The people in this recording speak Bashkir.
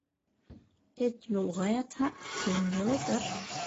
Эт юлға ятһа, көн йылытыр.